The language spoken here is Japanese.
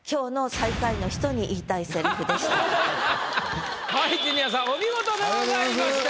もうはいジュニアさんお見事でございました。